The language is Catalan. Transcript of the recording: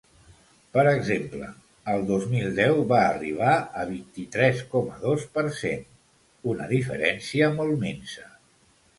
Per exemple, el dos mil deu va arribar a vint-i-tres coma dos per cent una diferència molt minsa.